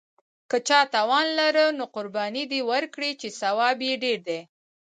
که چا توان لاره نو قرباني دې وکړي، چې ثواب یې ډېر دی.